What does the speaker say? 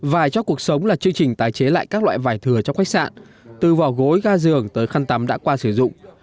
và cho cuộc sống là chương trình tái chế lại các loại vải thừa trong khách sạn từ vỏ gối ga giường tới khăn tắm đã qua sử dụng